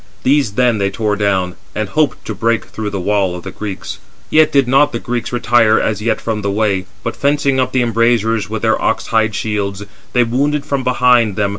These then they tore down, and hoped to break through the wall of the Greeks. Yet did not the Greeks retire as yet from the way; but fencing up the embrazures with their ox hide shields, they wounded from behind them the enemy coming up under the wall.